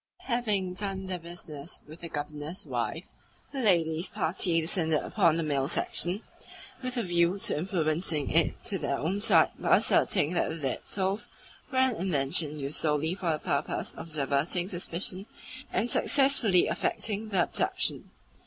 Having done their business with the Governor's wife, the ladies' party descended upon the male section, with a view to influencing it to their own side by asserting that the dead souls were an invention used solely for the purpose of diverting suspicion and successfully affecting the abduction.